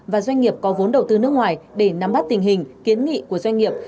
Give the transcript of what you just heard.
và doanh nghiệp có vốn đầu tư nước ngoài để nắm bắt tình hình kiến nghị của doanh nghiệp